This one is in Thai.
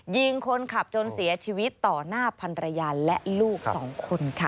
ยิงคนขับจนเสียชีวิตต่อหน้าพันรยาและลูกสองคนค่ะ